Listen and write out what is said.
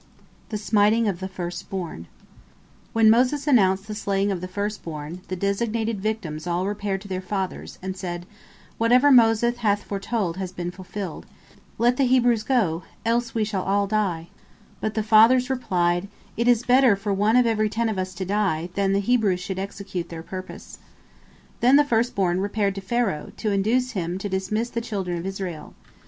THE SMITING OF THE FIRST BORN When Moses announced the slaying of the first born, the designated victims all repaired to their fathers, and said: "Whatever Moses hath foretold has been fulfilled. Let the Hebrews go, else we shall all die." But the fathers replied, "It is better for one of every ten of us to die, than the Hebrews should execute their purpose." Then the first born repaired to Pharaoh, to induce him to dismiss the children of Israel.